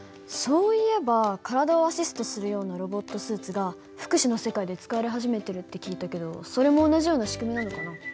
そういえば体をアシストするようなロボットスーツが福祉の世界で使われ始めてるって聞いたけどそれも同じような仕組みなのかな。